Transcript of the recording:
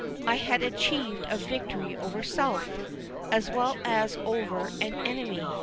I had achieved a victory over self, as well as over an enemy.